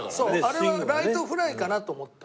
あれはライトフライかなと思った。